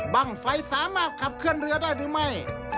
บ้างไฟสามารถขับเคลื่อนเรือได้หรือไม่